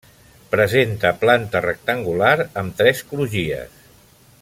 Presenta planta rectangular amb tres crugies.